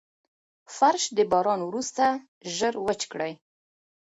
فرش د باران وروسته ژر وچ کړئ.